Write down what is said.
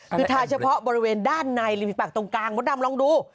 คือทาเฉพาะบริเวณด้านในริมฝีปากตรงกลางมดดำลองดู